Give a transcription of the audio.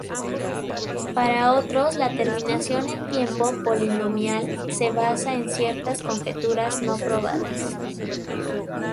Para otros la terminación en tiempo polinomial se basa en ciertas conjeturas no probadas.